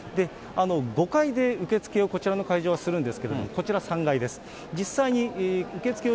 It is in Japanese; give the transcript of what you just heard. ５階で受け付けを、こちらの会場はするんですけれども、こちら、３階です。